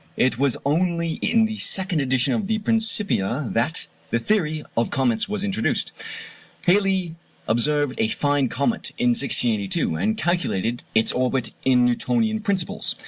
It was only in the second edition of the Principia that the theory of comets was introduced. Halley observed a fine comet in 1682, and calculated its orbit on Newtonian principles.